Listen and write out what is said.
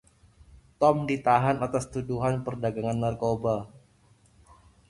Tom ditahan atas tuduhan perdagangan narkoba.